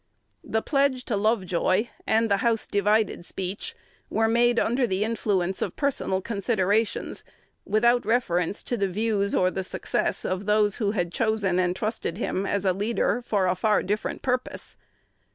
The pledge to Lovejoy and the "House divided Speech" were made under the influence of personal considerations, without reference to the views or the success of those who had chosen and trusted him as a leader for a far different purpose.